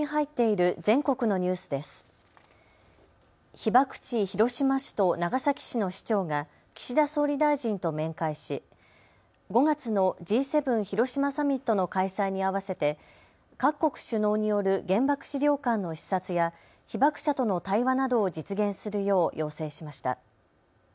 被爆地、広島市と長崎市の市長が岸田総理大臣と面会し５月のＧ７広島サミットの開催に合わせて各国首脳による原爆資料館の視察や被爆者との対話などを実現するよう要請しました。